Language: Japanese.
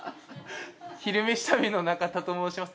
「昼めし旅」の中田と申します。